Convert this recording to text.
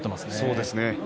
そうですね